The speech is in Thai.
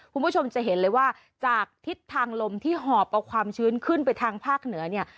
คุณผู้ชมจะเห็นเลยว่าจากทิศทางลมที่หอบเอาความชื้นขึ้นไปทางภาคเหนือเนี่ย